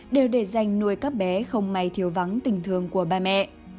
đều để dành nuôi các bé không may thiếu vắng tình thương của ba mẹ